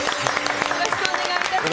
よろしくお願いします。